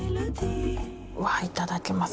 うわあいただきます。